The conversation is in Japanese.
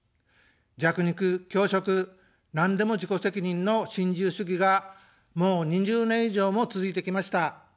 弱肉強食、なんでも自己責任の新自由主義がもう２０年以上も続いてきました。